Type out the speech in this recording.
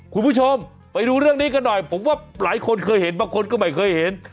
คุณผู้ชมไปดูเรื่องนี้กันหน่อยผมว่าหลายคนเคยเห็นบางคนก็ไม่เคยเห็น